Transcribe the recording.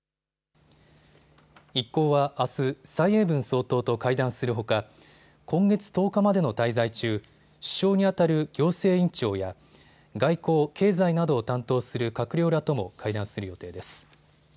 一行はあす、蔡英文総統と会談するほか今月１０日までの滞在中、首相にあたる行政院長や外交、経済などを担当する閣僚らとも会談する予定です。